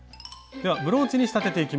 ではブローチに仕立てていきます。